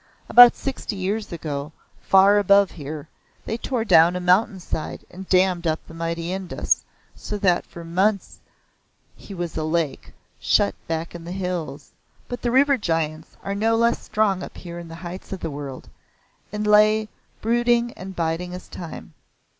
About sixty years ago far above here they tore down a mountain side and damned up the mighty Indus, so that for months he was a lake, shut back in the hills. But the river giants are no less strong up here in the heights of the world, and lie lay brooding and hiding his time.